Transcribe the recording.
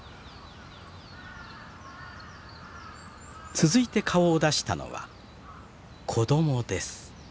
続いて顔を出したのは子供です。